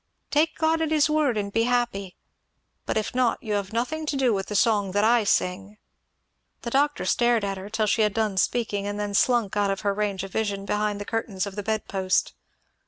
Take God at his word, and be happy; but if not, you have nothing to do with the song that I sing!" The doctor stared at her till she had done speaking, and then slunk out of her range of vision behind the curtains of the bed post.